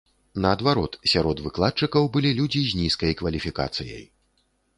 Наадварот, сярод выкладчыкаў былі людзі з нізкай кваліфікацыяй.